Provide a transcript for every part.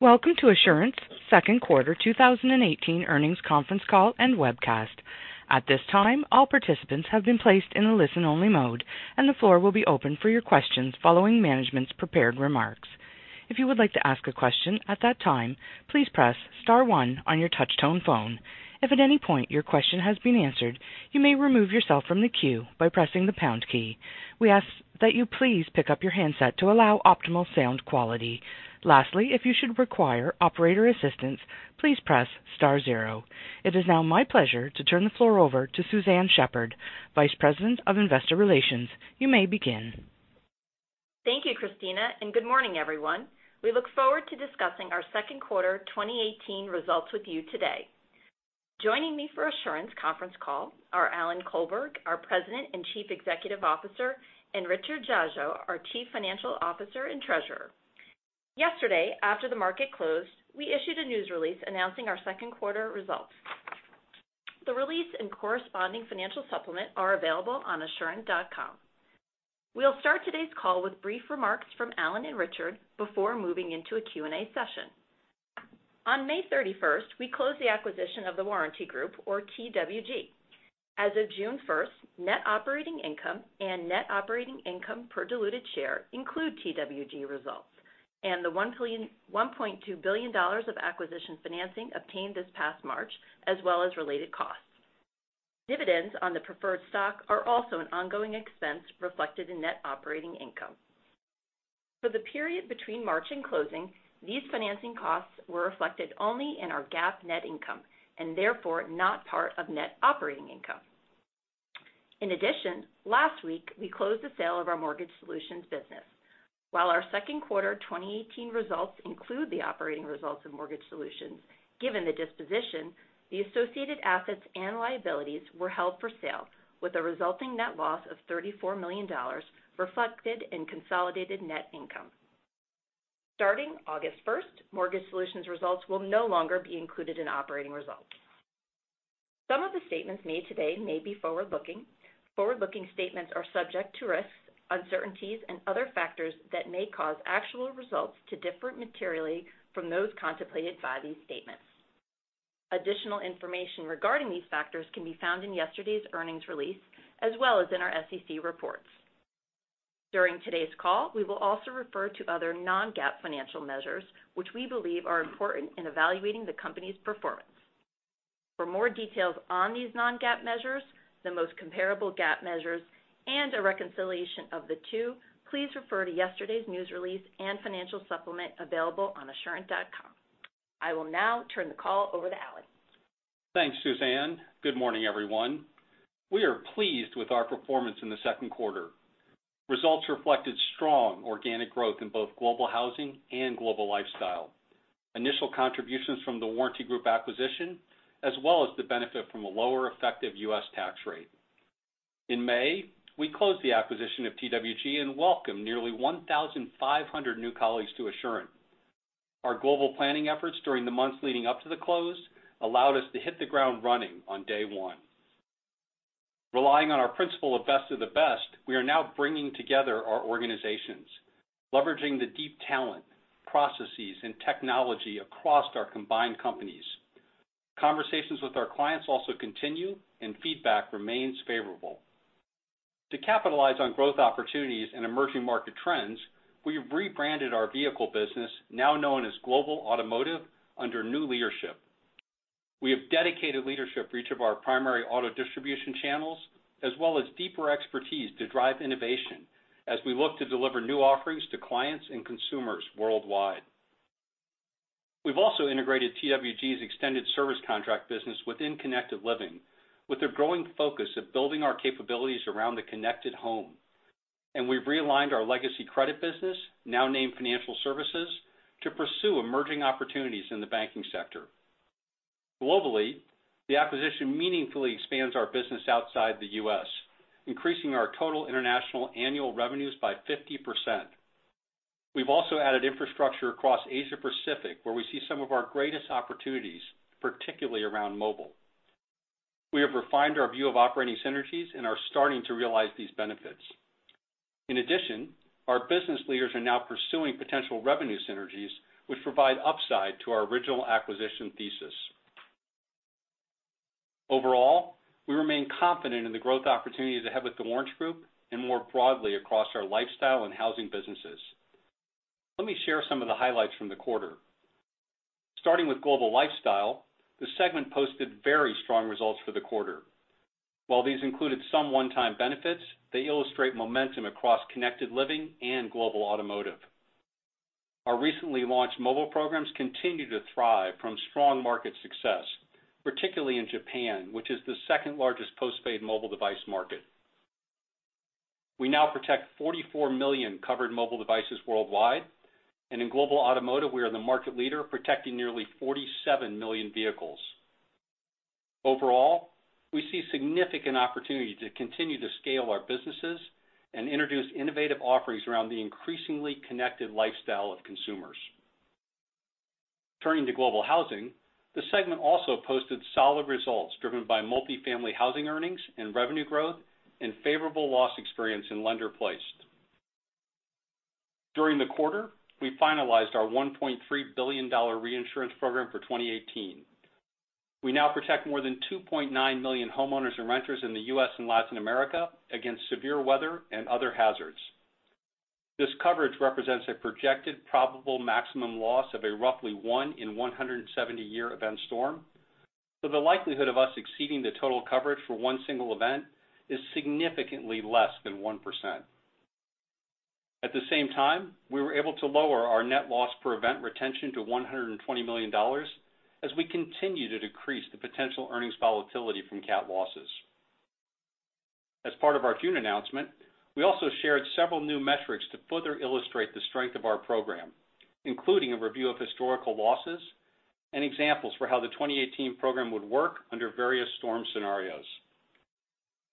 Welcome to Assurant second quarter 2018 earnings conference call and webcast. At this time, all participants have been placed in a listen-only mode, and the floor will be open for your questions following management's prepared remarks. If you would like to ask a question at that time, please press star one on your touch-tone phone. If at any point your question has been answered, you may remove yourself from the queue by pressing the pound key. We ask that you please pick up your handset to allow optimal sound quality. Lastly, if you should require operator assistance, please press star zero. It is now my pleasure to turn the floor over to Suzanne Shepherd, Vice President of Investor Relations. You may begin. Thank you, Christina, and good morning, everyone. We look forward to discussing our second quarter 2018 results with you today. Joining me for Assurant's conference call are Alan Colberg, our President and Chief Executive Officer, and Richard Dziadzio, our Chief Financial Officer and Treasurer. Yesterday, after the market closed, we issued a news release announcing our second quarter results. The release and corresponding financial supplement are available on assurant.com. We'll start today's call with brief remarks from Alan and Richard before moving into a Q&A session. On May 31st, we closed the acquisition of The Warranty Group, or TWG. As of June 1st, net operating income and net operating income per diluted share include TWG results and the $1.2 billion of acquisition financing obtained this past March, as well as related costs. Dividends on the preferred stock are also an ongoing expense reflected in net operating income. For the period between March and closing, these financing costs were reflected only in our GAAP net income and therefore not part of net operating income. Last week we closed the sale of our Mortgage Solutions business. While our second quarter 2018 results include the operating results of Mortgage Solutions, given the disposition, the associated assets and liabilities were held for sale with a resulting net loss of $34 million reflected in consolidated net income. Starting August 1st, Mortgage Solutions results will no longer be included in operating results. Some of the statements made today may be forward-looking. Forward-looking statements are subject to risks, uncertainties and other factors that may cause actual results to differ materially from those contemplated by these statements. Additional information regarding these factors can be found in yesterday's earnings release, as well as in our SEC reports. We will also refer to other non-GAAP financial measures, which we believe are important in evaluating the company's performance. For more details on these non-GAAP measures, the most comparable GAAP measures, and a reconciliation of the two, please refer to yesterday's news release and financial supplement available on assurant.com. I will now turn the call over to Alan. Thanks, Suzanne. Good morning, everyone. We are pleased with our performance in the second quarter. Results reflected strong organic growth in both Global Housing and Global Lifestyle, initial contributions from The Warranty Group acquisition, as well as the benefit from a lower effective U.S. tax rate. In May, we closed the acquisition of TWG and welcomed nearly 1,500 new colleagues to Assurant. Our global planning efforts during the months leading up to the close allowed us to hit the ground running on day one. Relying on our principle of best of the best, we are now bringing together our organizations, leveraging the deep talent, processes, and technology across our combined companies. Conversations with our clients also continue, and feedback remains favorable. To capitalize on growth opportunities and emerging market trends, we have rebranded our vehicle business, now known as Global Automotive, under new leadership. We have dedicated leadership for each of our primary auto distribution channels, as well as deeper expertise to drive innovation as we look to deliver new offerings to clients and consumers worldwide. We've also integrated TWG's extended service contract business within Connected Living with a growing focus of building our capabilities around the connected home. We've realigned our legacy credit business, now named Financial Services, to pursue emerging opportunities in the banking sector. Globally, the acquisition meaningfully expands our business outside the U.S., increasing our total international annual revenues by 50%. We've also added infrastructure across Asia Pacific, where we see some of our greatest opportunities, particularly around mobile. We have refined our view of operating synergies and are starting to realize these benefits. Our business leaders are now pursuing potential revenue synergies, which provide upside to our original acquisition thesis. We remain confident in the growth opportunities ahead with The Warranty Group and more broadly across our lifestyle and housing businesses. Let me share some of the highlights from the quarter. Starting with Global Lifestyle, the segment posted very strong results for the quarter. While these included some one-time benefits, they illustrate momentum across Connected Living and Global Automotive. Our recently launched mobile programs continue to thrive from strong market success, particularly in Japan, which is the second largest post-paid mobile device market. We now protect 44 million covered mobile devices worldwide. In Global Automotive, we are the market leader, protecting nearly 47 million vehicles. We see significant opportunity to continue to scale our businesses and introduce innovative offerings around the increasingly connected lifestyle of consumers. Turning to Global Housing, the segment also posted solid results driven by multifamily housing earnings and revenue growth and favorable loss experience in lender-placed. During the quarter, we finalized our $1.3 billion reinsurance program for 2018. We now protect more than 2.9 million homeowners and renters in the U.S. and Latin America against severe weather and other hazards. This coverage represents a projected probable maximum loss of a roughly one in 170 year event storm, so the likelihood of us exceeding the total coverage for one single event is significantly less than 1%. At the same time, we were able to lower our net loss per event retention to $120 million as we continue to decrease the potential earnings volatility from CAT losses. As part of our June announcement, we also shared several new metrics to further illustrate the strength of our program, including a review of historical losses and examples for how the 2018 program would work under various storm scenarios.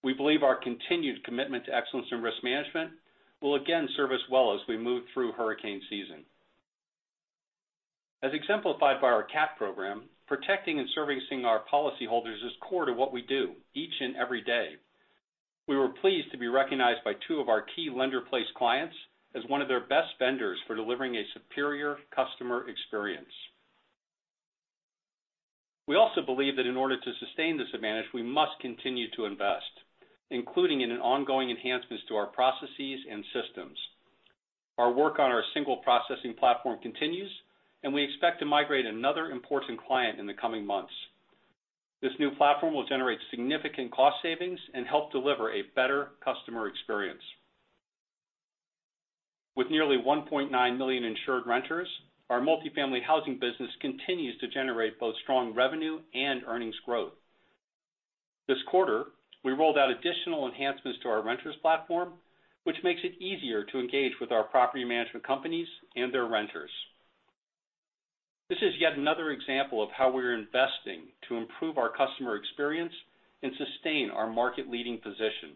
We believe our continued commitment to excellence in risk management will again serve us well as we move through hurricane season. As exemplified by our CAT program, protecting and servicing our policyholders is core to what we do each and every day. We were pleased to be recognized by two of our key lender-placed clients as one of their best vendors for delivering a superior customer experience. We also believe that in order to sustain this advantage, we must continue to invest, including ongoing enhancements to our processes and systems. Our work on our single processing platform continues. We expect to migrate another important client in the coming months. This new platform will generate significant cost savings and help deliver a better customer experience. With nearly 1.9 million insured renters, our multifamily housing business continues to generate both strong revenue and earnings growth. This quarter, we rolled out additional enhancements to our renters platform, which makes it easier to engage with our property management companies and their renters. This is yet another example of how we're investing to improve our customer experience and sustain our market-leading position.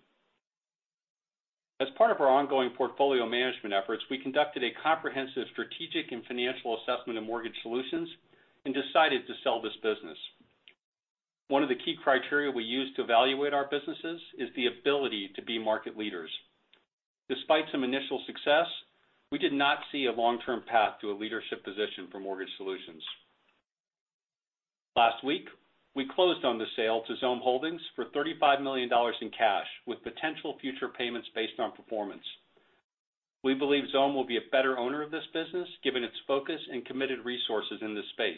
As part of our ongoing portfolio management efforts, we conducted a comprehensive strategic and financial assessment of Mortgage Solutions and decided to sell this business. One of the key criteria we use to evaluate our businesses is the ability to be market leaders. Despite some initial success, we did not see a long-term path to a leadership position for Mortgage Solutions. Last week, we closed on the sale to Xome Holdings LLC for $35 million in cash with potential future payments based on performance. We believe Xome will be a better owner of this business, given its focus and committed resources in this space.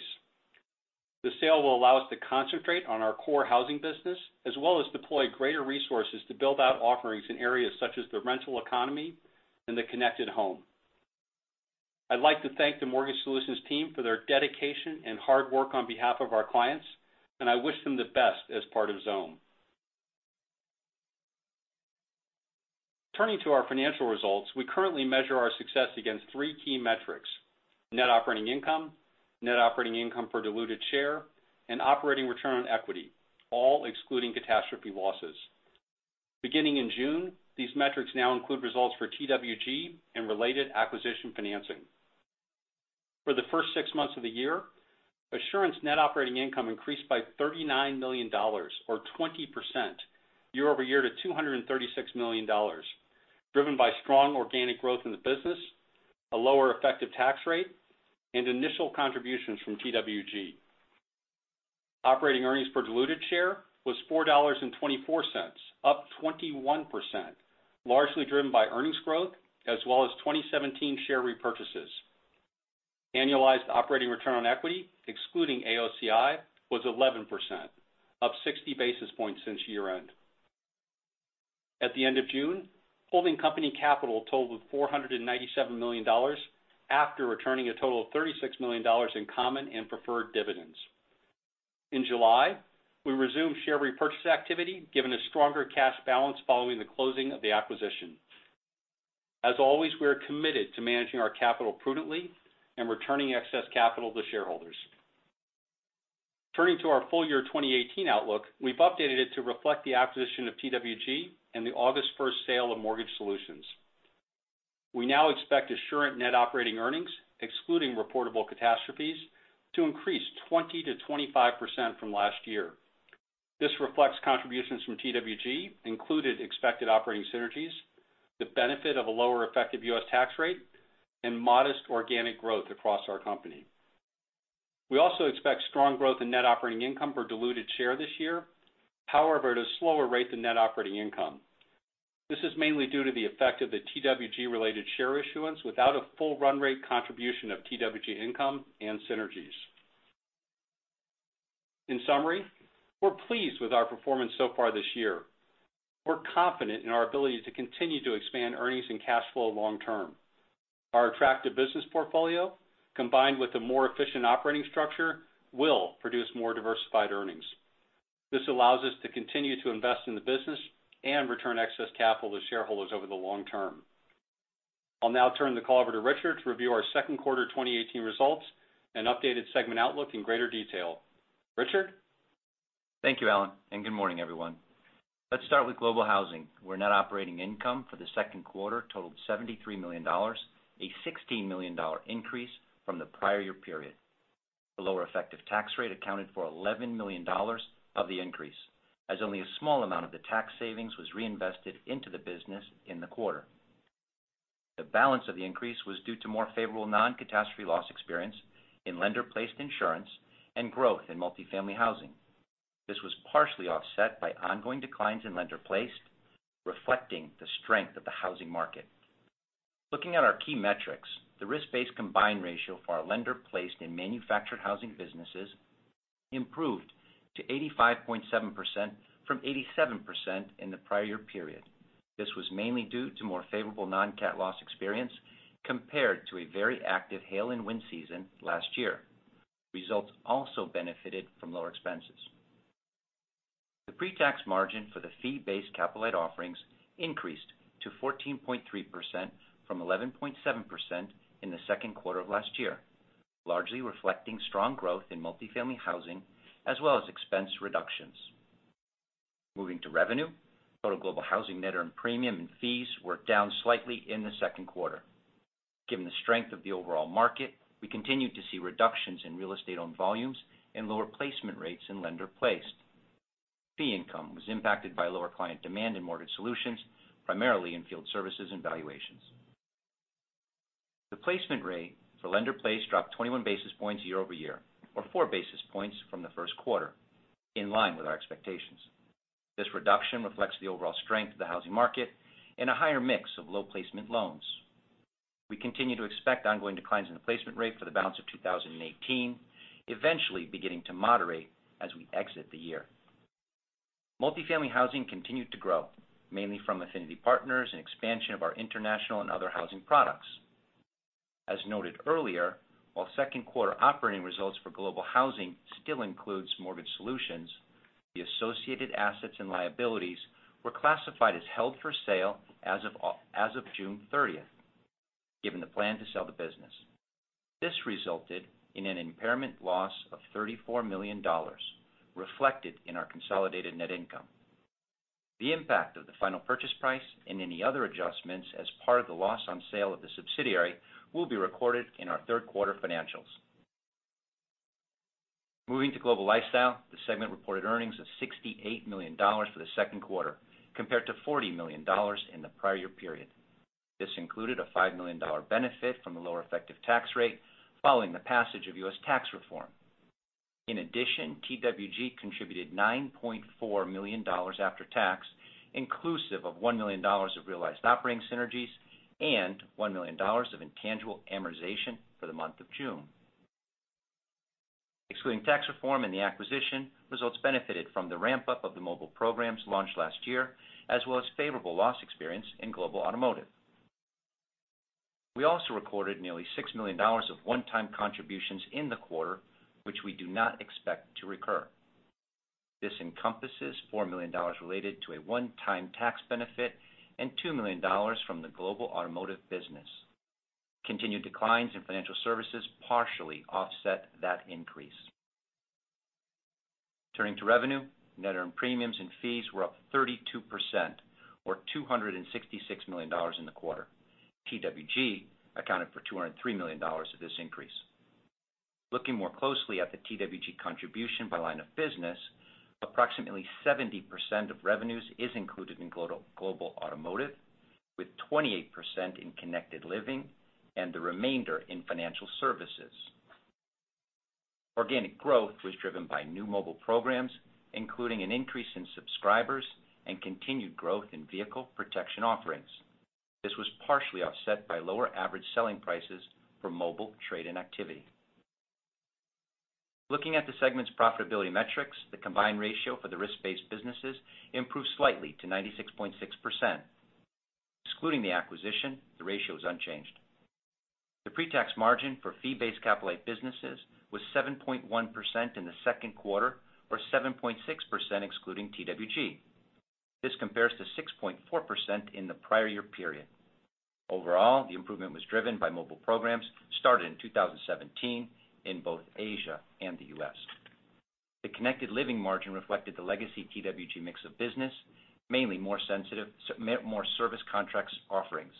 The sale will allow us to concentrate on our core housing business, as well as deploy greater resources to build out offerings in areas such as the rental economy and the connected home. I'd like to thank the Mortgage Solutions team for their dedication and hard work on behalf of our clients. I wish them the best as part of Xome. Turning to our financial results, we currently measure our success against three key metrics: net operating income, net operating income per diluted share, and operating return on equity, all excluding catastrophe losses. Beginning in June, these metrics now include results for TWG and related acquisition financing. For the first six months of the year, Assurant's net operating income increased by $39 million, or 20%, year-over-year to $236 million, driven by strong organic growth in the business, a lower effective tax rate, and initial contributions from TWG. Operating earnings per diluted share was $4.24, up 21%, largely driven by earnings growth as well as 2017 share repurchases. Annualized operating return on equity, excluding AOCI, was 11%, up 60 basis points since year-end. At the end of June, holding company capital totaled $497 million after returning a total of $36 million in common and preferred dividends. In July, we resumed share repurchase activity, given a stronger cash balance following the closing of the acquisition. As always, we are committed to managing our capital prudently and returning excess capital to shareholders. Turning to our full year 2018 outlook, we've updated it to reflect the acquisition of TWG and the August 1st sale of Mortgage Solutions. We now expect Assurant net operating earnings, excluding reportable catastrophes, to increase 20%-25% from last year. This reflects contributions from TWG, included expected operating synergies, the benefit of a lower effective U.S. tax rate, and modest organic growth across our company. We also expect strong growth in net operating income per diluted share this year. However, at a slower rate than net operating income. This is mainly due to the effect of the TWG-related share issuance without a full run rate contribution of TWG income and synergies. In summary, we're pleased with our performance so far this year. We're confident in our ability to continue to expand earnings and cash flow long term. Our attractive business portfolio, combined with a more efficient operating structure, will produce more diversified earnings. This allows us to continue to invest in the business and return excess capital to shareholders over the long term. I'll now turn the call over to Richard to review our second quarter 2018 results and updated segment outlook in greater detail. Richard? Thank you, Alan, and good morning, everyone. Let's start with Global Housing, where net operating income for the second quarter totaled $73 million, a $16 million increase from the prior year period. The lower effective tax rate accounted for $11 million of the increase, as only a small amount of the tax savings was reinvested into the business in the quarter. The balance of the increase was due to more favorable non-CAT loss experience in lender-placed insurance and growth in multifamily housing. This was partially offset by ongoing declines in lender-placed, reflecting the strength of the housing market. Looking at our key metrics, the risk-based combined ratio for our lender-placed and manufactured housing businesses improved to 85.7% from 87% in the prior year period. This was mainly due to more favorable non-CAT loss experience compared to a very active hail and wind season last year. Results also benefited from lower expenses. The pre-tax margin for the fee-based capital light offerings increased to 14.3% from 11.7% in the second quarter of last year, largely reflecting strong growth in multifamily housing as well as expense reductions. Moving to revenue, total Global Housing net earned premium and fees were down slightly in the second quarter. Given the strength of the overall market, we continued to see reductions in real estate-owned volumes and lower placement rates in lender-placed. Fee income was impacted by lower client demand in Mortgage Solutions, primarily in field services and valuations. The placement rate for lender-placed dropped 21 basis points year-over-year, or four basis points from the first quarter, in line with our expectations. This reduction reflects the overall strength of the housing market and a higher mix of low-placement loans. We continue to expect ongoing declines in the placement rate for the balance of 2018, eventually beginning to moderate as we exit the year. Multifamily housing continued to grow, mainly from affinity partners and expansion of our international and other housing products. As noted earlier, while second quarter operating results for Global Housing still includes Mortgage Solutions, the associated assets and liabilities were classified as held for sale as of June 30th, given the plan to sell the business. This resulted in an impairment loss of $34 million reflected in our consolidated net income. The impact of the final purchase price and any other adjustments as part of the loss on sale of the subsidiary will be recorded in our third-quarter financials. Moving to Global Lifestyle, the segment reported earnings of $68 million for the second quarter, compared to $40 million in the prior year period. This included a $5 million benefit from the lower effective tax rate following the passage of U.S. tax reform. In addition, TWG contributed $9.4 million after tax, inclusive of $1 million of realized operating synergies and $1 million of intangible amortization for the month of June. Excluding tax reform and the acquisition, results benefited from the ramp-up of the mobile programs launched last year, as well as favorable loss experience in Global Automotive. We also recorded nearly $6 million of one-time contributions in the quarter, which we do not expect to recur. This encompasses $4 million related to a one-time tax benefit and $2 million from the Global Automotive business. Continued declines in Global Financial Services partially offset that increase. Turning to revenue, net earned premiums and fees were up 32%, or $266 million in the quarter. TWG accounted for $203 million of this increase. Looking more closely at the TWG contribution by line of business, approximately 70% of revenues is included in Global Automotive, with 28% in Connected Living and the remainder in Global Financial Services. Organic growth was driven by new mobile programs, including an increase in subscribers and continued growth in vehicle protection offerings. This was partially offset by lower average selling prices for mobile trade and activity. Looking at the segment's profitability metrics, the combined ratio for the risk-based businesses improved slightly to 96.6%. Excluding the acquisition, the ratio is unchanged. The pre-tax margin for fee-based capital light businesses was 7.1% in the second quarter, or 7.6% excluding TWG. This compares to 6.4% in the prior year period. Overall, the improvement was driven by mobile programs started in 2017 in both Asia and the U.S. The Connected Living margin reflected the legacy TWG mix of business, mainly more service contracts offerings.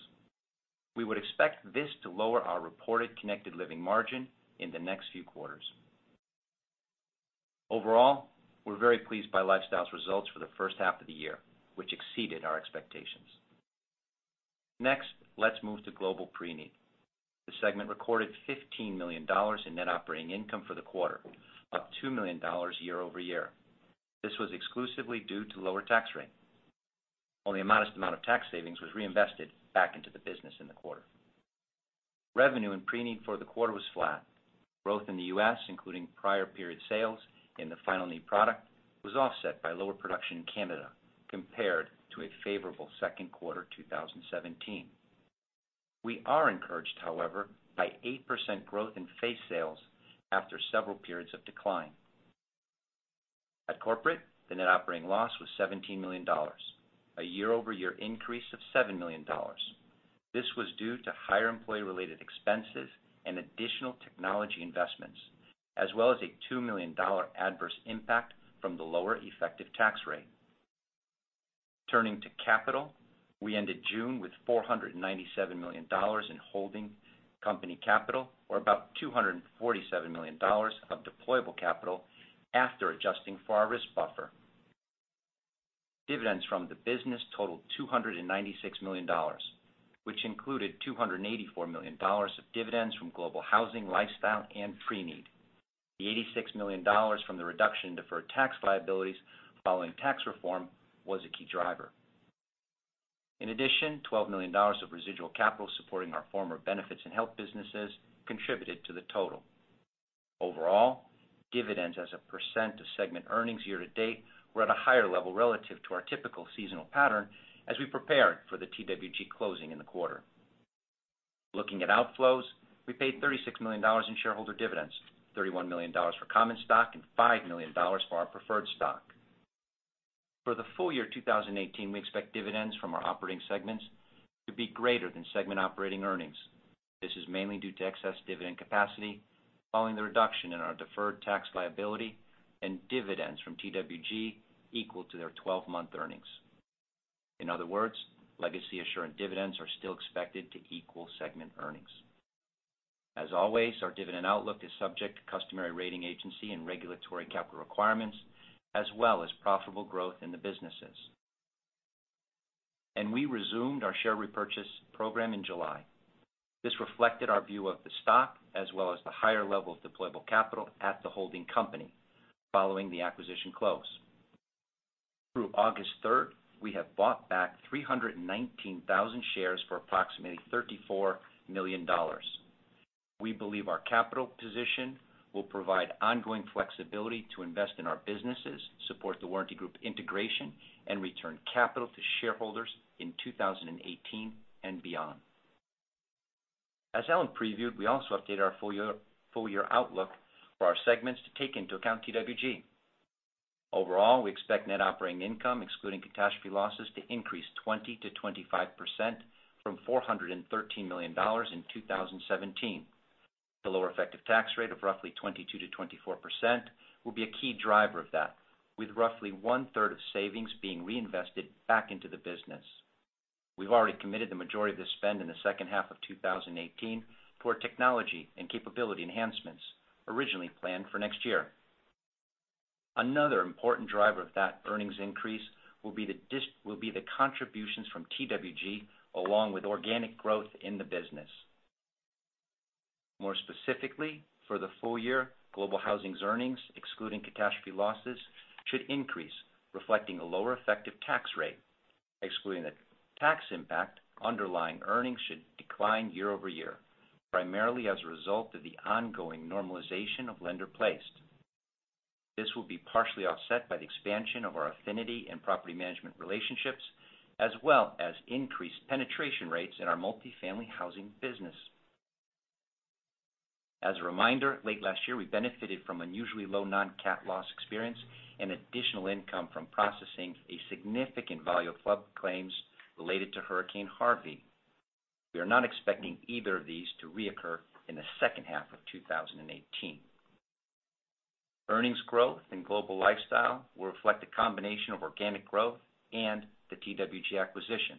We would expect this to lower our reported Connected Living margin in the next few quarters. Overall, we're very pleased by Lifestyle's results for the first half of the year, which exceeded our expectations. Next, let's move to Global Preneed. The segment recorded $15 million in net operating income for the quarter, up $2 million year-over-year. This was exclusively due to lower tax rate. Only a modest amount of tax savings was reinvested back into the business in the quarter. Revenue in Global Preneed for the quarter was flat. Growth in the U.S., including prior period sales in the Final Need product, was offset by lower production in Canada compared to a favorable second quarter 2017. We are encouraged, however, by 8% growth in face sales after several periods of decline. At Corporate, the net operating loss was $17 million, a year-over-year increase of $7 million. This was due to higher employee-related expenses and additional technology investments, as well as a $2 million adverse impact from the lower effective tax rate. Turning to capital, we ended June with $497 million in holding company capital, or about $247 million of deployable capital after adjusting for our risk buffer. Dividends from the business totaled $296 million, which included $284 million of dividends from Global Housing, Global Lifestyle, and Global Preneed. The $86 million from the reduction in deferred tax liabilities following tax reform was a key driver. In addition, $12 million of residual capital supporting our former benefits and health businesses contributed to the total. Overall, dividends as a % of segment earnings year to date were at a higher level relative to our typical seasonal pattern as we prepared for the TWG closing in the quarter. Looking at outflows, we paid $36 million in shareholder dividends, $31 million for common stock and $5 million for our preferred stock. For the full year 2018, we expect dividends from our operating segments to be greater than segment operating earnings. This is mainly due to excess dividend capacity following the reduction in our deferred tax liability and dividends from TWG equal to their 12-month earnings. In other words, legacy Assurant dividends are still expected to equal segment earnings. As always, our dividend outlook is subject to customary rating agency and regulatory capital requirements, as well as profitable growth in the businesses. We resumed our share repurchase program in July. This reflected our view of the stock as well as the higher level of deployable capital at the holding company following the acquisition close. Through August 3rd, we have bought back 319,000 shares for approximately $34 million. We believe our capital position will provide ongoing flexibility to invest in our businesses, support The Warranty Group integration, and return capital to shareholders in 2018 and beyond. As Alan previewed, we also updated our full year outlook for our segments to take into account TWG. Overall, we expect net operating income excluding catastrophe losses to increase 20%-25% from $413 million in 2017. The lower effective tax rate of roughly 22%-24% will be a key driver of that, with roughly one-third of savings being reinvested back into the business. We've already committed the majority of this spend in the second half of 2018 for technology and capability enhancements originally planned for next year. Another important driver of that earnings increase will be the contributions from TWG, along with organic growth in the business. More specifically, for the full year, Global Housing's earnings, excluding catastrophe losses, should increase, reflecting a lower effective tax rate. Excluding the tax impact, underlying earnings should decline year-over-year, primarily as a result of the ongoing normalization of lender-placed. This will be partially offset by the expansion of our affinity and property management relationships, as well as increased penetration rates in our multifamily housing business. As a reminder, late last year, we benefited from unusually low non-cat loss experience and additional income from processing a significant volume of flood claims related to Hurricane Harvey. We are not expecting either of these to reoccur in the second half of 2018. Earnings growth in Global Lifestyle will reflect a combination of organic growth and the TWG acquisition,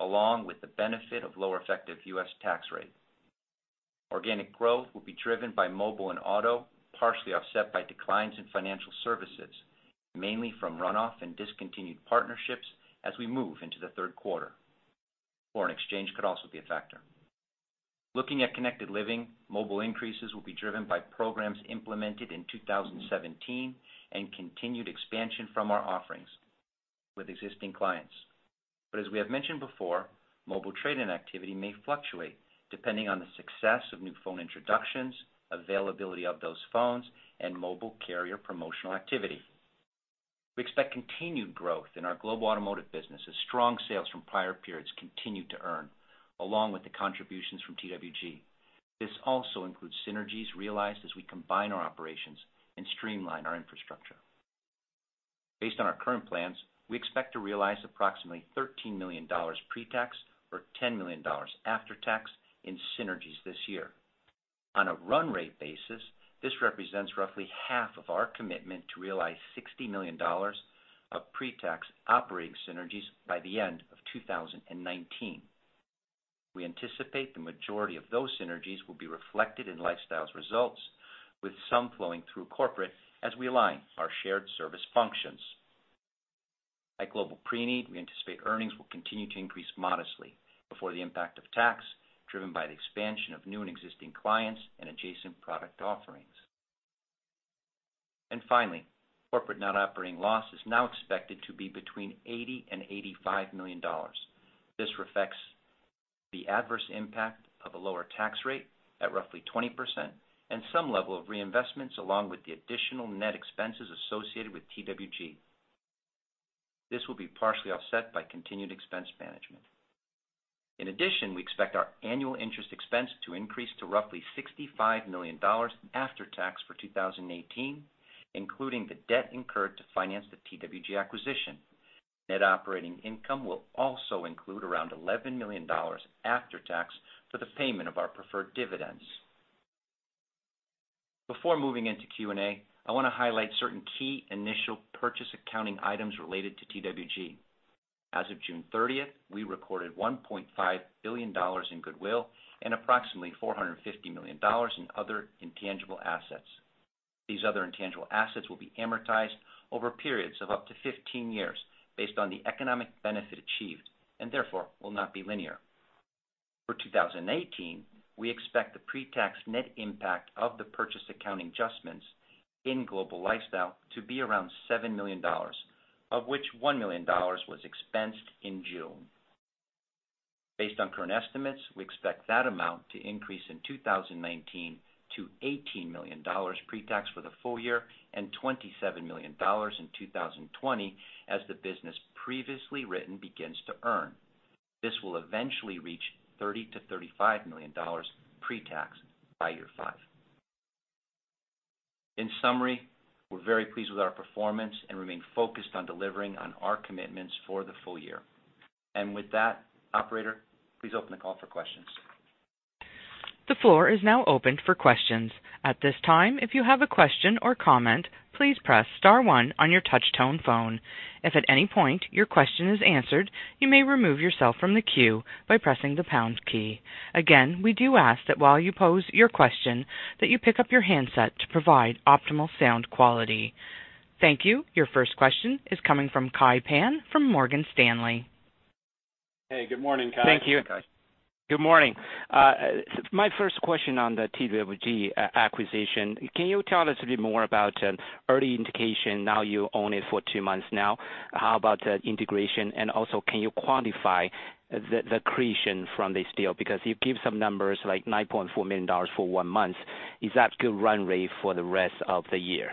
along with the benefit of lower effective U.S. tax rate. Organic growth will be driven by mobile and auto, partially offset by declines in financial services, mainly from runoff and discontinued partnerships as we move into the third quarter. Foreign exchange could also be a factor. Looking at Connected Living, mobile increases will be driven by programs implemented in 2017 and continued expansion from our offerings with existing clients. As we have mentioned before, mobile trade-in activity may fluctuate depending on the success of new phone introductions, availability of those phones, and mobile carrier promotional activity. We expect continued growth in our Global Automotive business as strong sales from prior periods continue to earn, along with the contributions from TWG. This also includes synergies realized as we combine our operations and streamline our infrastructure. Based on our current plans, we expect to realize approximately $13 million pre-tax or $10 million after tax in synergies this year. On a run rate basis, this represents roughly half of our commitment to realize $60 million of pre-tax operating synergies by the end of 2019. We anticipate the majority of those synergies will be reflected in Lifestyle's results, with some flowing through corporate as we align our shared service functions. At Global Preneed, we anticipate earnings will continue to increase modestly before the impact of tax, driven by the expansion of new and existing clients and adjacent product offerings. Finally, corporate net operating loss is now expected to be between $80 million and $85 million. This reflects the adverse impact of a lower tax rate at roughly 20% and some level of reinvestments along with the additional net expenses associated with TWG. This will be partially offset by continued expense management. In addition, we expect our annual interest expense to increase to roughly $65 million after tax for 2018 including the debt incurred to finance the TWG acquisition. Net operating income will also include around $11 million after tax for the payment of our preferred dividends. Before moving into Q&A, I want to highlight certain key initial purchase accounting items related to TWG. As of June 30th, we recorded $1.5 billion in goodwill and approximately $450 million in other intangible assets. These other intangible assets will be amortized over periods of up to 15 years based on the economic benefit achieved, and therefore, will not be linear. For 2018, we expect the pre-tax net impact of the purchase accounting adjustments in Global Lifestyle to be around $7 million, of which $1 million was expensed in June. Based on current estimates, we expect that amount to increase in 2019 to $18 million pre-tax for the full year and $27 million in 2020 as the business previously written begins to earn. This will eventually reach $30 million to $35 million pre-tax by year five. In summary, we're very pleased with our performance and remain focused on delivering on our commitments for the full year. With that, Operator, please open the call for questions. The floor is now open for questions. At this time, if you have a question or comment, please press star one on your touch tone phone. If at any point your question is answered, you may remove yourself from the queue by pressing the pound key. Again, we do ask that while you pose your question, that you pick up your handset to provide optimal sound quality. Thank you. Your first question is coming from Kai Pan, from Morgan Stanley. Hey, good morning, Kai. Thank you. Hi, Kai. Good morning. My first question on the TWG acquisition, can you tell us a bit more about early indication now you own it for two months now? How about the integration? Also, can you quantify the accretion from this deal? Because you give some numbers like $9.4 million for one month. Is that good run rate for the rest of the year?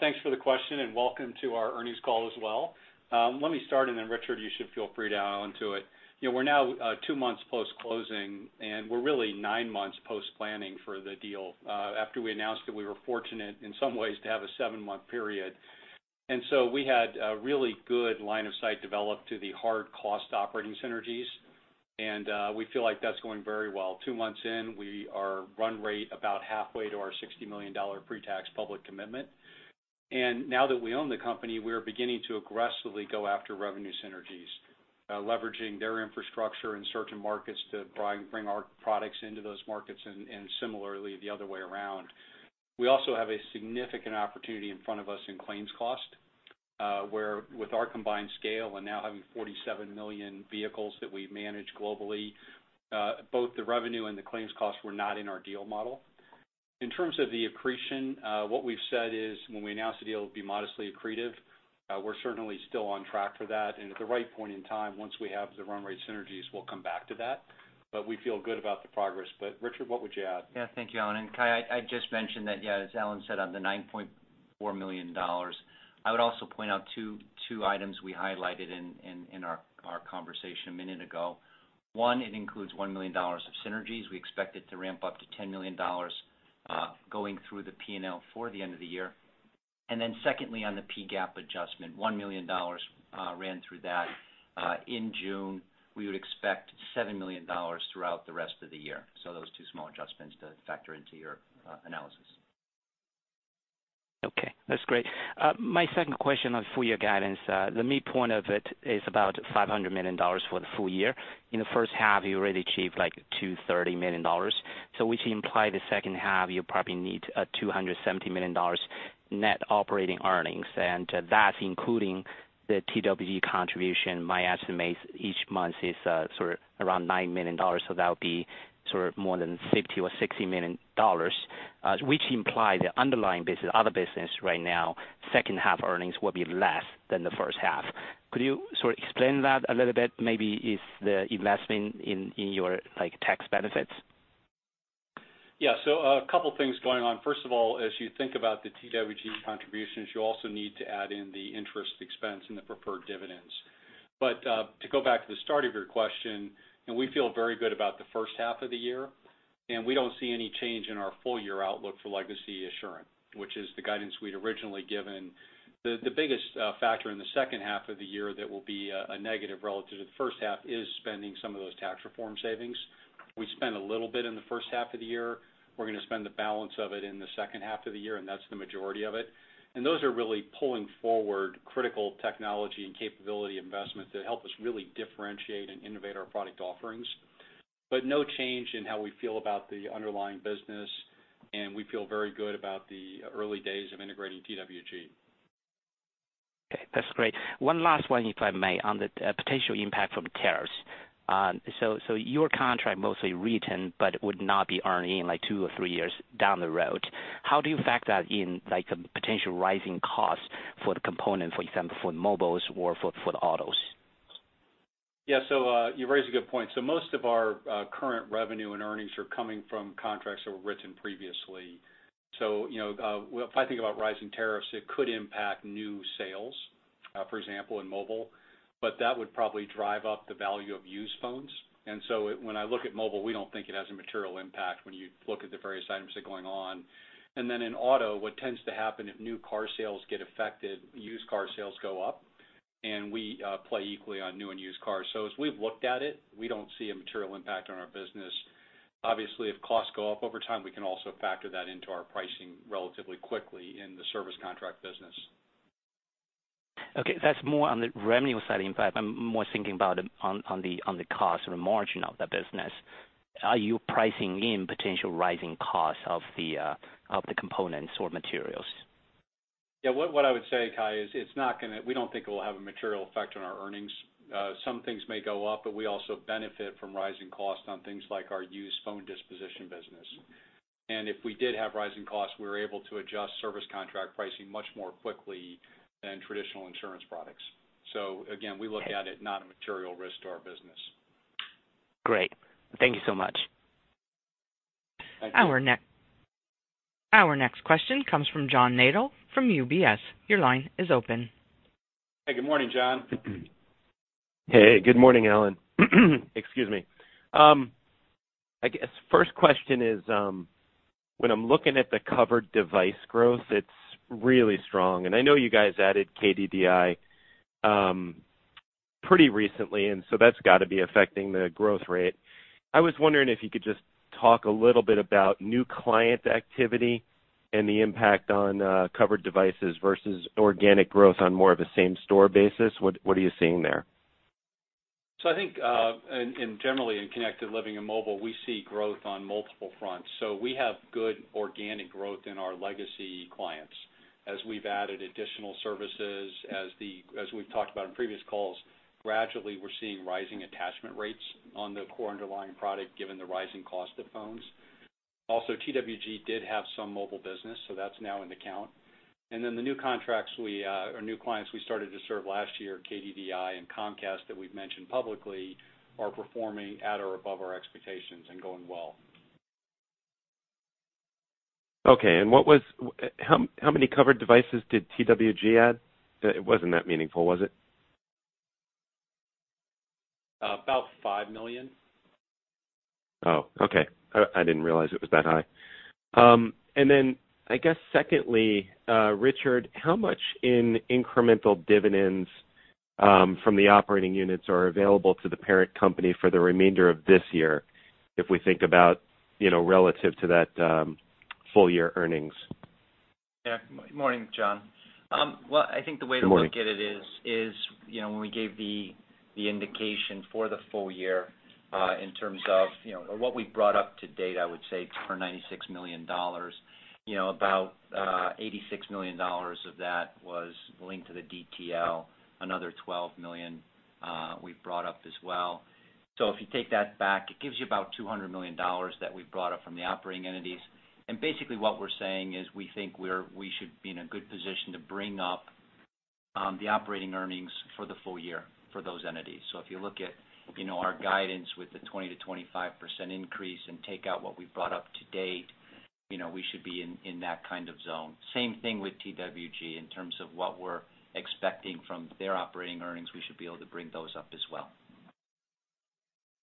Thanks for the question, and welcome to our earnings call as well. Let me start, Richard, you should feel free to dial into it. We're now two months post-closing, we're really nine months post-planning for the deal. After we announced that we were fortunate in some ways to have a seven-month period. We had a really good line of sight developed to the hard cost operating synergies, and we feel like that's going very well. Two months in, we are run rate about halfway to our $60 million pre-tax public commitment. Now that we own the company, we are beginning to aggressively go after revenue synergies, leveraging their infrastructure in certain markets to bring our products into those markets, and similarly, the other way around. We also have a significant opportunity in front of us in claims cost, where with our combined scale and now having 47 million vehicles that we manage globally, both the revenue and the claims costs were not in our deal model. In terms of the accretion, what we've said is when we announced the deal, it would be modestly accretive. We're certainly still on track for that. At the right point in time, once we have the run rate synergies, we'll come back to that. We feel good about the progress. Richard, what would you add? Thank you, Alan. Kai, I'd just mention that, as Alan said, on the $9.4 million, I would also point out two items we highlighted in our conversation a minute ago. One, it includes $1 million of synergies. We expect it to ramp up to $10 million going through the P&L for the end of the year. Secondly, on the PGAAP adjustment, $1 million ran through that in June. We would expect $7 million throughout the rest of the year. Those two small adjustments to factor into your analysis. Okay, that's great. My second question on full year guidance. The midpoint of it is about $500 million for the full year. In the first half, you already achieved like $230 million. Which imply the second half, you probably need a $270 million net operating earnings. That's including the TWG contribution. My estimate each month is sort of around $9 million, so that would be sort of more than $50 million or $60 million. Which imply the underlying business, other business right now, second half earnings will be less than the first half. Could you sort of explain that a little bit? Maybe is the investment in your tax benefits? Yeah. A couple of things going on. First of all, as you think about the TWG contributions, you also need to add in the interest expense and the preferred dividends. To go back to the start of your question, we feel very good about the first half of the year, we don't see any change in our full year outlook for legacy Assurant, which is the guidance we'd originally given. The biggest factor in the second half of the year that will be a negative relative to the first half is spending some of those tax reform savings. We spent a little bit in the first half of the year. We're going to spend the balance of it in the second half of the year, that's the majority of it. Those are really pulling forward critical technology and capability investments that help us really differentiate and innovate our product offerings. No change in how we feel about the underlying business, we feel very good about the early days of integrating TWG. Okay, that's great. One last one, if I may, on the potential impact from tariffs. Your contract mostly written, but it would not be earning in like two or three years down the road. How do you factor that in, like a potential rising cost for the component, for example, for the mobiles or for the autos? Yeah. You raise a good point. Most of our current revenue and earnings are coming from contracts that were written previously. If I think about rising tariffs, it could impact new sales For example, in mobile. That would probably drive up the value of used phones. When I look at mobile, we don't think it has a material impact when you look at the various items that are going on. In auto, what tends to happen if new car sales get affected, used car sales go up, and we play equally on new and used cars. As we've looked at it, we don't see a material impact on our business. Obviously, if costs go up over time, we can also factor that into our pricing relatively quickly in the service contract business. Okay. That's more on the revenue side. In fact, I'm more thinking about on the cost or the margin of the business. Are you pricing in potential rising costs of the components or materials? Yeah. What I would say, Kai, is we don't think it will have a material effect on our earnings. Some things may go up, but we also benefit from rising costs on things like our used phone disposition business. If we did have rising costs, we were able to adjust service contract pricing much more quickly than traditional insurance products. Again, we look at it not a material risk to our business. Great. Thank you so much. Thank you. Our next question comes from John Nadel from UBS. Your line is open. Hey, good morning, John. Hey, good morning, Alan. Excuse me. I guess first question is, when I'm looking at the covered device growth, it's really strong. I know you guys added KDDI pretty recently, that's got to be affecting the growth rate. I was wondering if you could just talk a little bit about new client activity and the impact on covered devices versus organic growth on more of a same store basis. What are you seeing there? I think, generally in Connected Living and mobile, we see growth on multiple fronts. We have good organic growth in our legacy clients. As we've added additional services, as we've talked about in previous calls, gradually we're seeing rising attachment rates on the core underlying product, given the rising cost of phones. Also, TWG did have some mobile business, that's now in the count. The new clients we started to serve last year, KDDI and Comcast, that we've mentioned publicly, are performing at or above our expectations and going well. Okay, how many covered devices did TWG add? It wasn't that meaningful, was it? About 5 million. Okay. I didn't realize it was that high. I guess secondly, Richard, how much in incremental dividends from the operating units are available to the parent company for the remainder of this year, if we think about relative to that full-year earnings? Yeah. Morning, John. Good morning. Well, I think the way to look at it is when we gave the indication for the full year in terms of what we brought up to date, I would say for $96 million, about $86 million of that was linked to the DTL. Another $12 million we've brought up as well. If you take that back, it gives you about $200 million that we've brought up from the operating entities. Basically what we're saying is we think we should be in a good position to bring up the operating earnings for the full year for those entities. If you look at our guidance with the 20%-25% increase and take out what we've brought up to date, we should be in that kind of zone. Same thing with TWG in terms of what we're expecting from their operating earnings. We should be able to bring those up as well.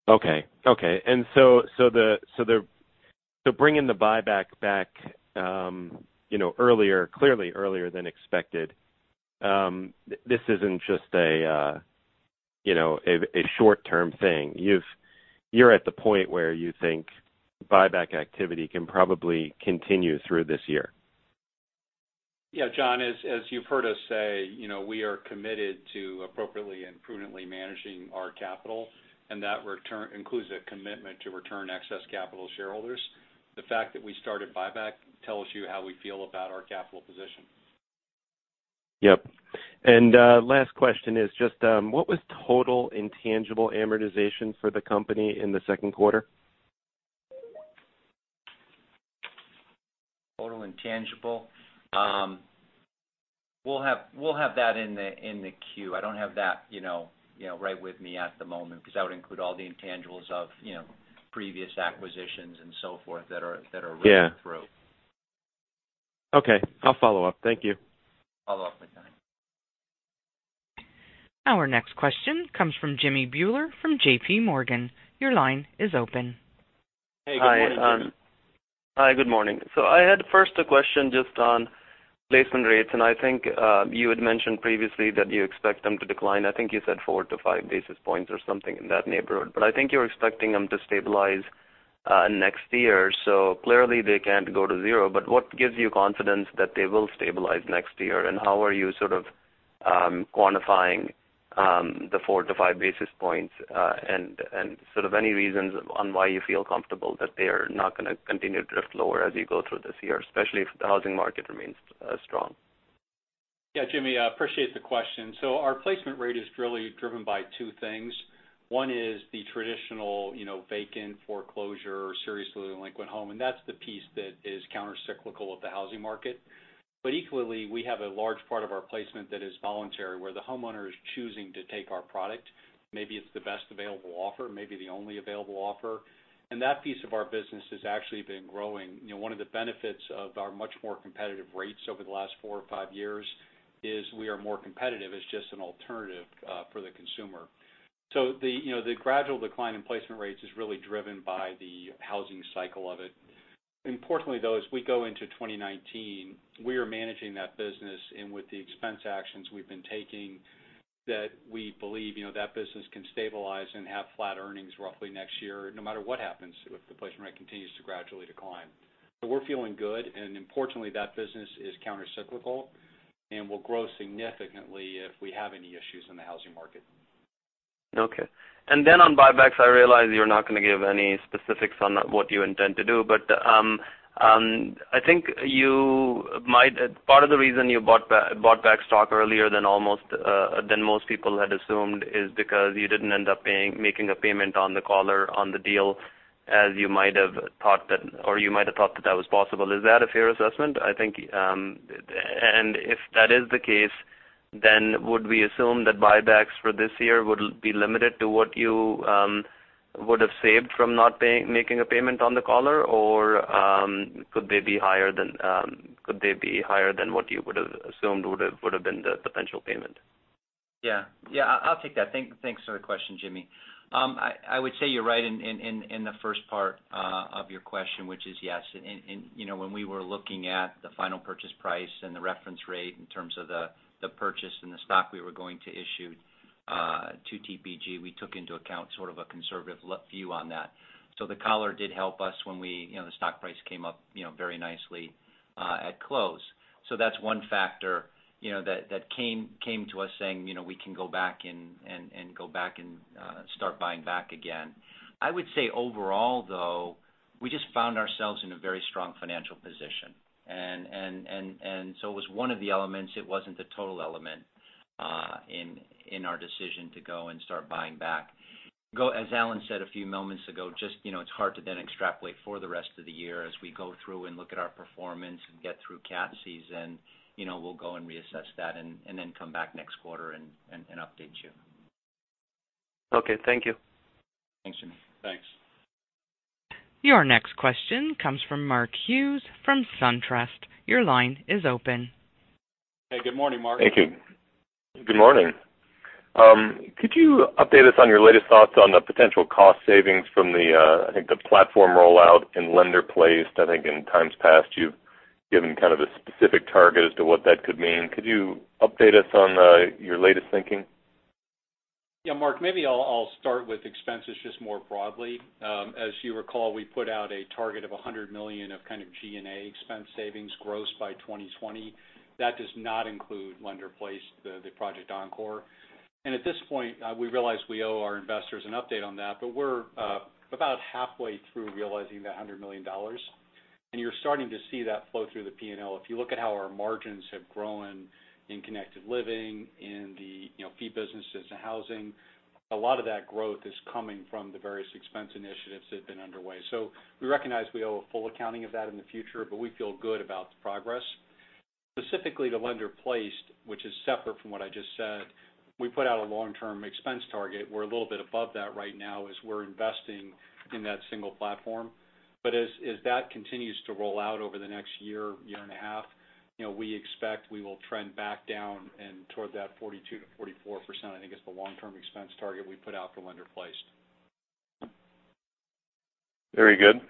Okay. Bringing the buyback back clearly earlier than expected, this isn't just a short-term thing. You're at the point where you think buyback activity can probably continue through this year. Yeah. John, as you've heard us say, we are committed to appropriately and prudently managing our capital, and that includes a commitment to return excess capital to shareholders. The fact that we started buyback tells you how we feel about our capital position. Yep. Last question is just, what was total intangible amortization for the company in the second quarter? Total intangible. We'll have that in the queue. I don't have that right with me at the moment because that would include all the intangibles of previous acquisitions and so forth that are written through. Yeah. Okay, I'll follow up. Thank you. Follow up with John. Our next question comes from Jimmy Bhullar from J.P. Morgan. Your line is open. Hey, good morning, Jimmy. Hi, good morning. I had first a question just on placement rates. I think you had mentioned previously that you expect them to decline. I think you said 4 to 5 basis points or something in that neighborhood. I think you're expecting them to stabilize next year. Clearly they can't go to zero, but what gives you confidence that they will stabilize next year? How are you sort of quantifying the 4 to 5 basis points, and sort of any reasons on why you feel comfortable that they are not going to continue to drift lower as you go through this year, especially if the housing market remains strong? Yeah, Jimmy, appreciate the question. Our placement rate is really driven by two things. One is the traditional vacant foreclosure or seriously delinquent home, and that's the piece that is countercyclical of the housing market. Equally, we have a large part of our placement that is voluntary, where the homeowner is choosing to take our product. Maybe it's the best available offer, maybe the only available offer. That piece of our business has actually been growing. One of the benefits of our much more competitive rates over the last four or five years is we are more competitive as just an alternative for the consumer. The gradual decline in placement rates is really driven by the housing cycle of it. Importantly, though, as we go into 2019, we are managing that business, and with the expense actions we've been taking, that we believe that business can stabilize and have flat earnings roughly next year, no matter what happens if the placement rate continues to gradually decline. We're feeling good, and importantly, that business is countercyclical and will grow significantly if we have any issues in the housing market. Okay. On buybacks, I realize you're not going to give any specifics on what you intend to do, I think part of the reason you bought back stock earlier than most people had assumed is because you didn't end up making a payment on the collar on the deal as you might have thought, or you might have thought that that was possible. Is that a fair assessment? If that is the case, would we assume that buybacks for this year would be limited to what you would have saved from not making a payment on the collar? Or could they be higher than what you would have assumed would have been the potential payment? Yeah. I'll take that. Thanks for the question, Jimmy Bhullar. I would say you're right in the first part of your question, which is, yes. When we were looking at the final purchase price and the reference rate in terms of the purchase and the stock we were going to issue to TPG, the collar did help us when the stock price came up very nicely at close. That's one factor that came to us saying we can go back and start buying back again. I would say overall, though, we just found ourselves in a very strong financial position. It was one of the elements, it wasn't the total element in our decision to go and start buying back. As Alan said a few moments ago, it's hard to extrapolate for the rest of the year as we go through and look at our performance and get through CAT season. We'll go and reassess that, come back next quarter and update you. Okay. Thank you. Thanks, Jimmy. Thanks. Your next question comes from Mark Hughes from SunTrust. Your line is open. Hey, good morning, Mark. Thank you. Good morning. Could you update us on your latest thoughts on the potential cost savings from the, I think, the platform rollout in lender-placed? I think in times past, you've given kind of a specific target as to what that could mean. Could you update us on your latest thinking? Mark, maybe I'll start with expenses just more broadly. As you recall, we put out a target of $100 million of kind of G&A expense savings gross by 2020. That does not include lender-placed, the Project Encore. At this point, we realize we owe our investors an update on that, but we're about halfway through realizing that $100 million. You're starting to see that flow through the P&L. If you look at how our margins have grown in Connected Living, in the fee businesses and Global Housing, a lot of that growth is coming from the various expense initiatives that have been underway. We recognize we owe a full accounting of that in the future, but we feel good about the progress. Specifically to lender-placed, which is separate from what I just said, we put out a long-term expense target. We're a little bit above that right now as we're investing in that single platform. As that continues to roll out over the next year and a half, we expect we will trend back down and toward that 42%-44%, I think is the long-term expense target we put out for lender-placed. Very good.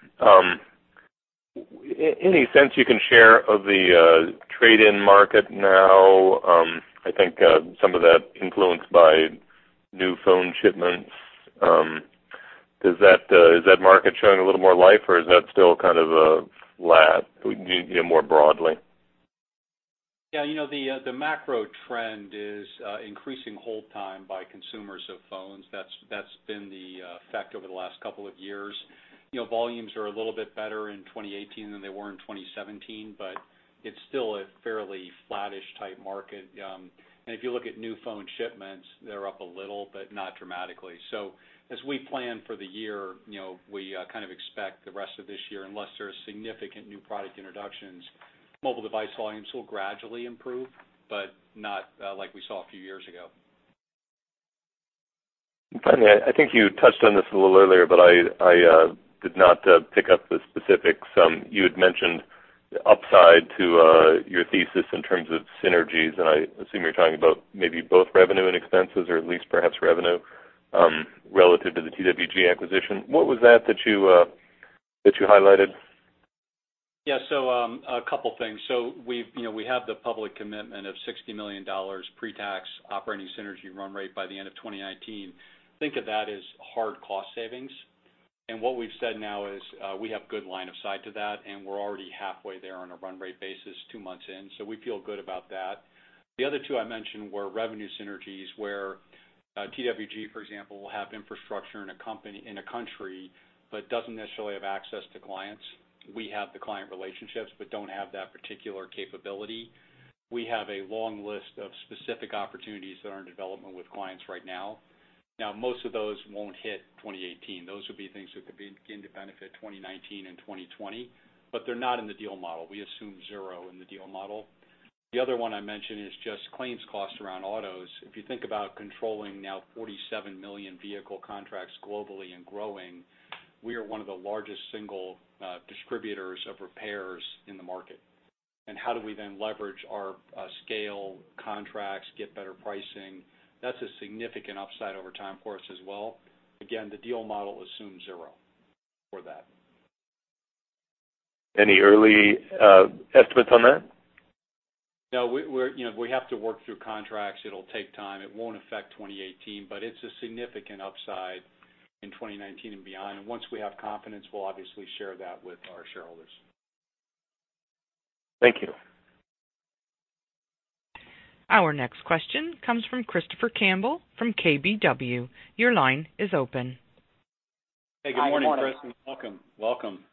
Any sense you can share of the trade-in market now? I think some of that influenced by new phone shipments. Is that market showing a little more life, or is that still kind of flat more broadly? The macro trend is increasing hold time by consumers of phones. That's been the effect over the last couple of years. Volumes are a little bit better in 2018 than they were in 2017, but it's still a fairly flattish type market. If you look at new phone shipments, they're up a little, but not dramatically. As we plan for the year, we kind of expect the rest of this year, unless there's significant new product introductions, mobile device volumes will gradually improve, but not like we saw a few years ago. I think you touched on this a little earlier, but I did not pick up the specifics. You had mentioned the upside to your thesis in terms of synergies. I assume you're talking about maybe both revenue and expenses or at least perhaps revenue relative to the TWG acquisition. What was that you highlighted? Yeah. A couple of things. We have the public commitment of $60 million pre-tax operating synergy run rate by the end of 2019. Think of that as hard cost savings. What we've said now is we have good line of sight to that. We're already halfway there on a run rate basis two months in. We feel good about that. The other two I mentioned were revenue synergies, where TWG, for example, will have infrastructure in a country but doesn't necessarily have access to clients. We have the client relationships but don't have that particular capability. We have a long list of specific opportunities that are in development with clients right now. Most of those won't hit 2018. Those would be things that could begin to benefit 2019 and 2020, but they're not in the deal model. We assume zero in the deal model. The other one I mentioned is just claims costs around autos. If you think about controlling now 47 million vehicle contracts globally and growing, we are one of the largest single distributors of repairs in the market. How do we then leverage our scale contracts, get better pricing? That's a significant upside over time for us as well. Again, the deal model assumes zero for that. Any early estimates on that? No. We have to work through contracts. It'll take time. It won't affect 2018, but it's a significant upside in 2019 and beyond. Once we have confidence, we'll obviously share that with our shareholders. Thank you. Our next question comes from Christopher Campbell from KBW. Your line is open. Hey, good morning, Chris, and welcome. Hey.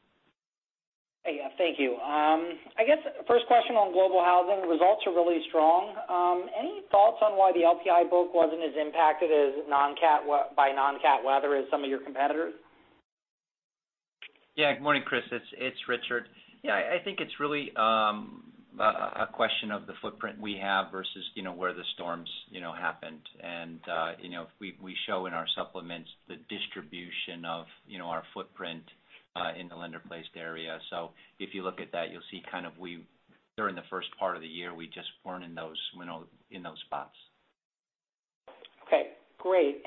Thank you. I guess first question on Global Housing. Results are really strong. Any thoughts on why the LPI book wasn't as impacted by non-CAT weather as some of your competitors? Good morning, Chris. It's Richard. I think it's really a question of the footprint we have versus where the storms happened. We show in our supplements the distribution of our footprint in the lender-placed area. If you look at that, you'll see kind of during the first part of the year, we just weren't in those spots. Okay, great.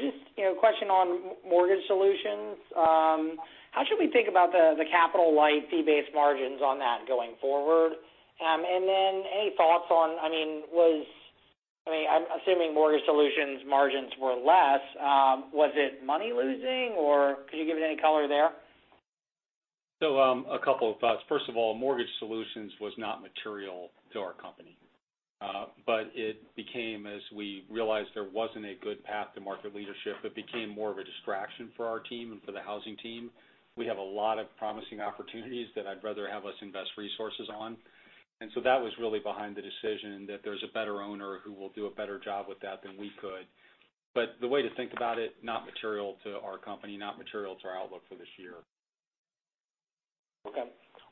Just a question on Mortgage Solutions. How should we think about the capital-light fee-based margins on that going forward? Any thoughts on, I'm assuming Mortgage Solutions margins were less. Was it money losing, or could you give any color there? A couple of thoughts. First of all, Mortgage Solutions was not material to our company. It became, as we realized there wasn't a good path to market leadership, it became more of a distraction for our team and for the housing team. We have a lot of promising opportunities that I'd rather have us invest resources on. That was really behind the decision, that there's a better owner who will do a better job with that than we could. The way to think about it, not material to our company, not material to our outlook for this year. Okay.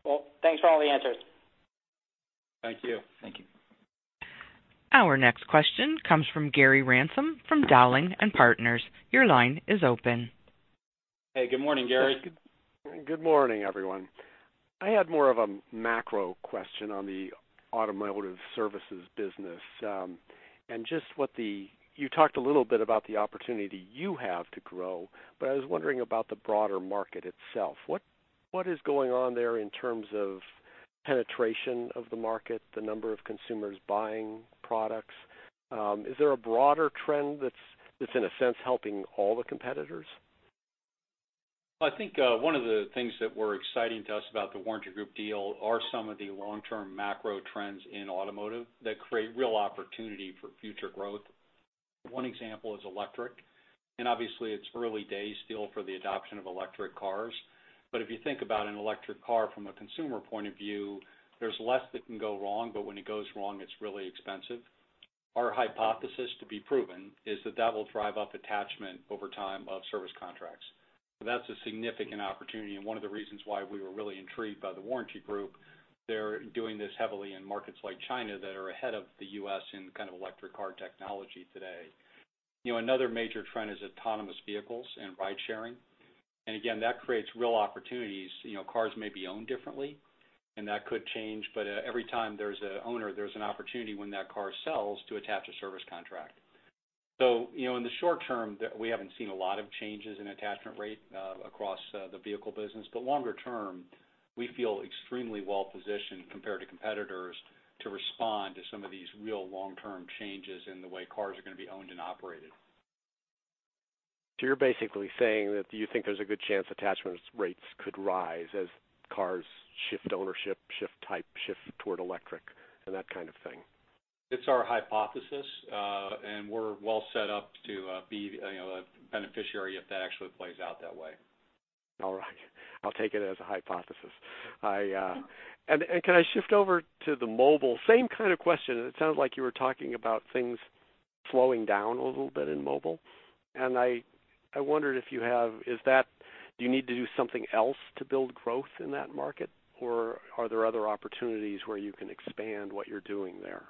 Well, thanks for all the answers. Thank you. Thank you. Our next question comes from Gary Ransom from Dowling & Partners. Your line is open. Hey, good morning, Gary. Good morning, everyone. I had more of a macro question on the automotive services business. You talked a little bit about the opportunity you have to grow, I was wondering about the broader market itself. What is going on there in terms of penetration of the market, the number of consumers buying products? Is there a broader trend that's in a sense helping all the competitors? I think one of the things that were exciting to us about The Warranty Group deal are some of the long-term macro trends in automotive that create real opportunity for future growth. One example is electric. Obviously it's early days still for the adoption of electric cars. If you think about an electric car from a consumer point of view, there's less that can go wrong, when it goes wrong, it's really expensive. Our hypothesis to be proven is that that will drive up attachment over time of service contracts. That's a significant opportunity and one of the reasons why we were really intrigued by The Warranty Group. They're doing this heavily in markets like China that are ahead of the U.S. in kind of electric car technology today. Another major trend is autonomous vehicles and ride sharing. Again, that creates real opportunities. Cars may be owned differently, and that could change, but every time there's an owner, there's an opportunity when that car sells to attach a service contract. In the short term, we haven't seen a lot of changes in attachment rate across the vehicle business. Longer term, we feel extremely well positioned compared to competitors to respond to some of these real long-term changes in the way cars are going to be owned and operated. You're basically saying that you think there's a good chance attachment rates could rise as cars shift ownership, shift type, shift toward electric and that kind of thing. It's our hypothesis. We're well set up to be a beneficiary if that actually plays out that way. All right. I'll take it as a hypothesis. Can I shift over to the mobile? Same kind of question. It sounds like you were talking about things slowing down a little bit in mobile. I wondered, do you need to do something else to build growth in that market? Or are there other opportunities where you can expand what you're doing there?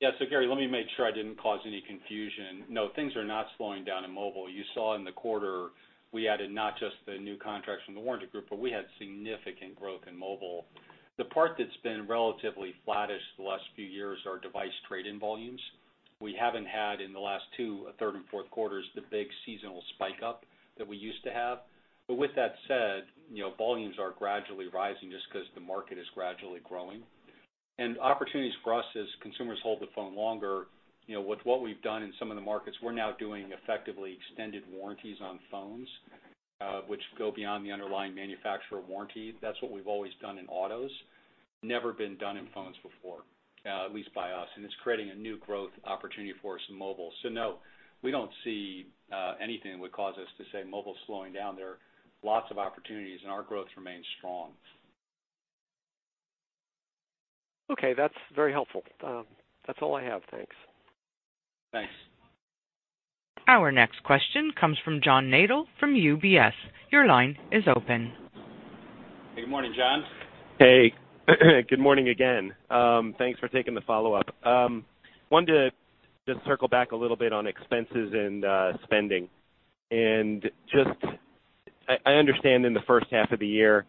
Yeah. Gary, let me make sure I didn't cause any confusion. No, things are not slowing down in mobile. You saw in the quarter we added not just the new contracts from The Warranty Group, but we had significant growth in mobile. The part that's been relatively flattish the last few years are device trade-in volumes. We haven't had in the last two third and fourth quarters the big seasonal spike up that we used to have. With that said, volumes are gradually rising just because the market is gradually growing. Opportunities for us as consumers hold the phone longer, with what we've done in some of the markets, we're now doing effectively extended warranties on phones, which go beyond the underlying manufacturer warranty. That's what we've always done in autos. Never been done in phones before, at least by us. It's creating a new growth opportunity for us in mobile. No, we don't see anything that would cause us to say mobile's slowing down. There are lots of opportunities. Our growth remains strong. Okay. That's very helpful. That's all I have. Thanks. Thanks. Our next question comes from John Nadel from UBS. Your line is open. Good morning, John. Hey. Good morning again. Thanks for taking the follow-up. Wanted to just circle back a little bit on expenses and spending. I understand in the first half of the year,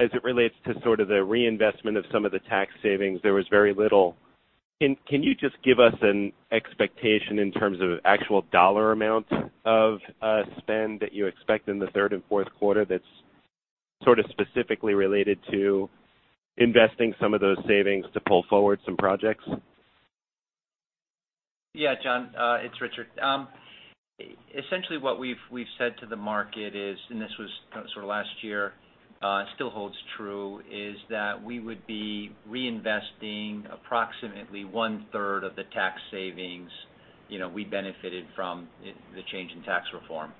as it relates to sort of the reinvestment of some of the tax savings, there was very little. Can you just give us an expectation in terms of actual dollar amount of spend that you expect in the third and fourth quarter that's sort of specifically related to investing some of those savings to pull forward some projects? Yeah, John, it's Richard. Essentially what we've said to the market is, and this was sort of last year, still holds true, is that we would be reinvesting approximately one-third of the tax savings we benefited from the change in tax reform.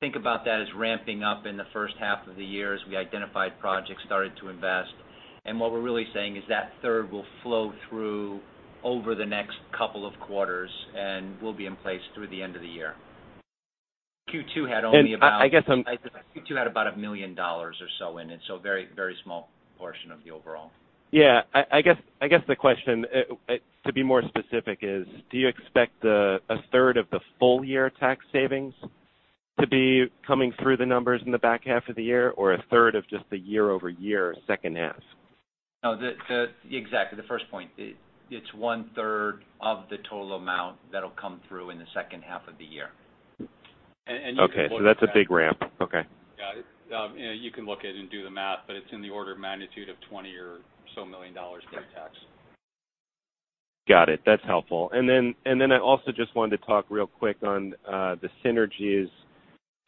Think about that as ramping up in the first half of the year as we identified projects, started to invest. What we're really saying is that third will flow through over the next couple of quarters and will be in place through the end of the year. Q2 had only about- I guess I'm- Q2 had about $1 million or so in it, so a very small portion of the overall. Yeah. I guess the question, to be more specific, is do you expect a third of the full-year tax savings to be coming through the numbers in the back half of the year, or a third of just the year-over-year second half? No. Exactly, the first point. It's one-third of the total amount that'll come through in the second half of the year. Okay. That's a big ramp. Okay. Yeah. You can look at it and do the math, but it's in the order of magnitude of $20 or so million in tax. Got it. That's helpful. I also just wanted to talk real quick on the synergies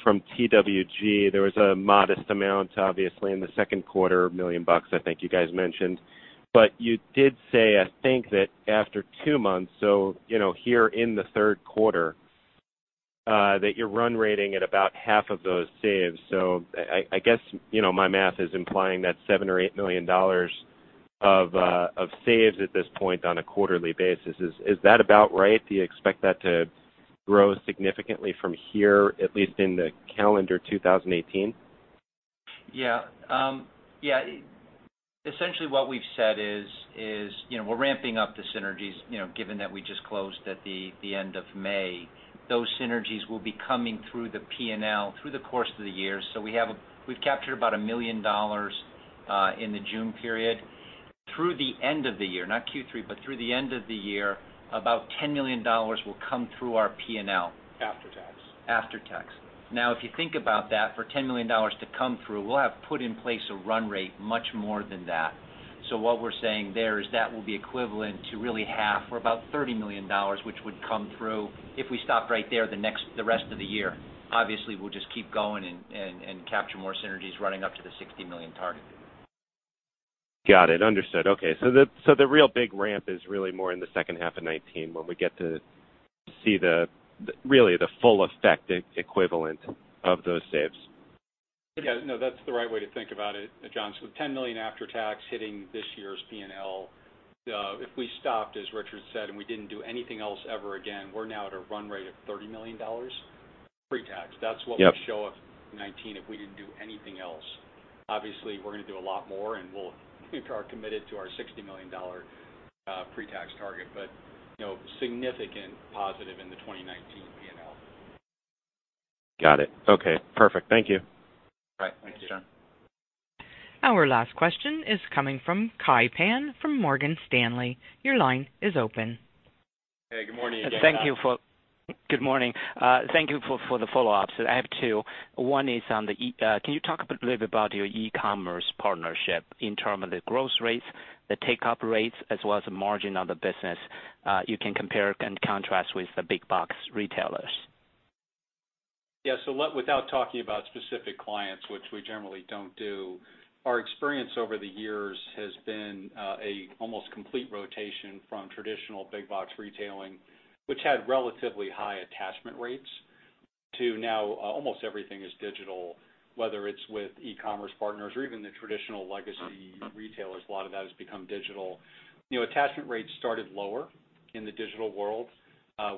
from TWG. There was a modest amount, obviously, in the second quarter, $1 million, I think you guys mentioned. You did say, I think, that after two months, so here in the third quarter, that you're run rating at about half of those saves. I guess my math is implying that $7 million or $8 million of saves at this point on a quarterly basis. Is that about right? Do you expect that to grow significantly from here, at least in the calendar 2018? Yeah. Essentially what we've said is we're ramping up the synergies, given that we just closed at the end of May. Those synergies will be coming through the P&L through the course of the year. We've captured about $1 million in the June period. Through the end of the year, not Q3, but through the end of the year, about $10 million will come through our P&L. After tax. After tax. If you think about that, for $10 million to come through, we'll have put in place a run rate much more than that. What we're saying there is that will be equivalent to really half or about $30 million, which would come through if we stop right there the rest of the year. Obviously, we'll just keep going and capture more synergies running up to the $60 million target. Got it. Understood. Okay. The real big ramp is really more in the second half of 2019 when we get to see really the full effect equivalent of those saves. No, that's the right way to think about it, John. The $10 million after tax hitting this year's P&L, if we stopped, as Richard said, and we didn't do anything else ever again, we're now at a run rate of $30 million pre-tax. Yep. That's what we show of 2019 if we didn't do anything else. Obviously, we're going to do a lot more, and we are committed to our $60 million pre-tax target. Significant positive in the 2019 P&L. Got it. Okay, perfect. Thank you. All right. Thanks, John. Our last question is coming from Kai Pan from Morgan Stanley. Your line is open. Hey, good morning again. Thank you for Good morning. Thank you for the follow-ups. I have two. One is on the, can you talk a bit, little about your e-commerce partnership in term of the growth rates, the take-up rates, as well as the margin of the business? You can compare and contrast with the big box retailers. Yeah. Without talking about specific clients, which we generally don't do, our experience over the years has been a almost complete rotation from traditional big box retailing, which had relatively high attachment rates, to now almost everything is digital, whether it's with e-commerce partners or even the traditional legacy retailers, a lot of that has become digital. Attachment rates started lower in the digital world.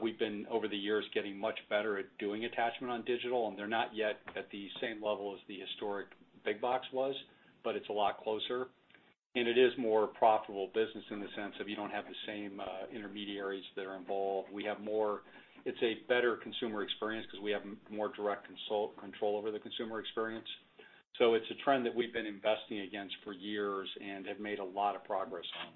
We've been, over the years, getting much better at doing attachment on digital, and they're not yet at the same level as the historic big box was, but it's a lot closer. It is more profitable business in the sense of you don't have the same intermediaries that are involved. It's a better consumer experience because we have more direct control over the consumer experience. It's a trend that we've been investing against for years and have made a lot of progress on.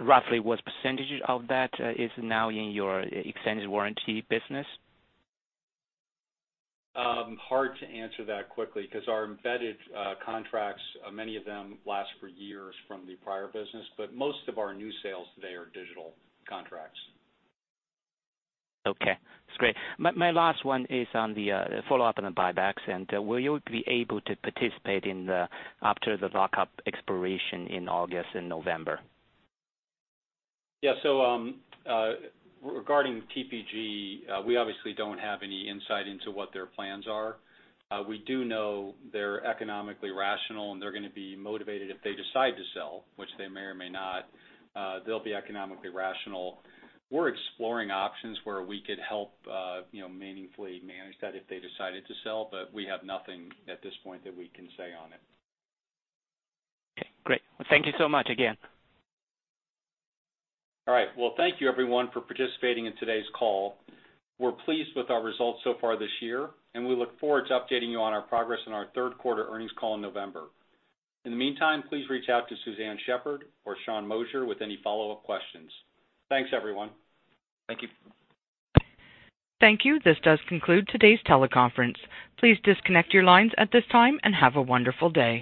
Roughly what percentage of that is now in your extended warranty business? Hard to answer that quickly because our embedded contracts, many of them last for years from the prior business, most of our new sales today are digital contracts. Okay. That's great. My last one is on the follow-up on the buybacks. Will you be able to participate after the lockup expiration in August and November? Yeah. Regarding TPG, we obviously don't have any insight into what their plans are. We do know they're economically rational. They're going to be motivated if they decide to sell, which they may or may not. They'll be economically rational. We're exploring options where we could help meaningfully manage that if they decided to sell. We have nothing at this point that we can say on it. Okay, great. Thank you so much again. All right. Thank you everyone for participating in today's call. We're pleased with our results so far this year. We look forward to updating you on our progress in our third quarter earnings call in November. In the meantime, please reach out to Suzanne Shepherd or Sean Moshier with any follow-up questions. Thanks, everyone. Thank you. Thank you. This does conclude today's teleconference. Please disconnect your lines at this time and have a wonderful day.